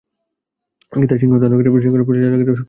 গীতাসিংহনাদকারী শ্রীকৃষ্ণের পূজা চালা, শক্তিপূজা চালা।